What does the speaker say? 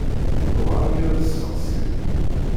Tewɛer mi ara d-testeqsi.